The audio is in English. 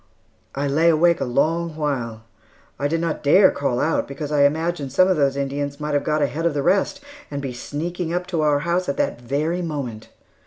I lay awake a long while. I did not dare call out because I imagined some of those Indians might have got ahead of the rest and be sneaking up to our house at that very moment.